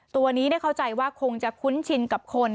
ตัวนี้ได้เข้าใจว่าคงจะคุ้นชินกับคน